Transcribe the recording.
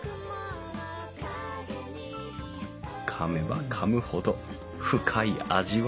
かめばかむほど深い味わい。